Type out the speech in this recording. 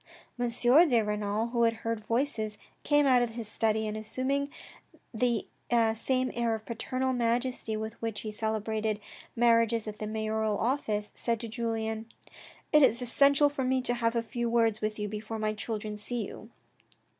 M. de Renal, who had heard voices, came out of his study, and assuming the same air of paternal majesty with which he celebrated marriages at the mayoral office, said to Julien :" It is essential for me to have a few words with you before my children see you."